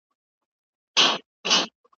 هغوی په خپلو پروژو کې نوښتونه وکړل.